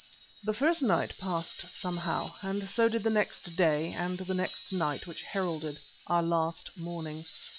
The first night passed somehow, and so did the next day and the next night which heralded our last morning.